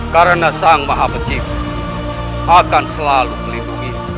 karena sang maha pecipa akan selalu melindungi